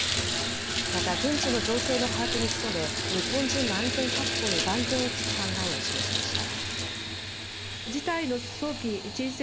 また、現地の情勢の把握に努め、日本人の安全確保に万全を期す考えを示しました。